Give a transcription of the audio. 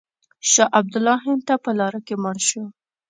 شاه عبدالله هند ته په لاره کې مړ شو.